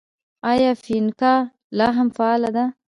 آیا فینکا لا هم فعاله ده؟